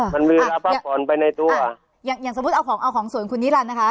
มันมีเวลาพักผ่อนไปในตัวอย่างอย่างสมมุติเอาของเอาของสวนคุณนิรันดินะคะ